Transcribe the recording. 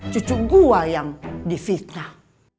cucu gue yang di fitnah